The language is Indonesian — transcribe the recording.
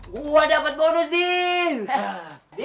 gua dapet bonus din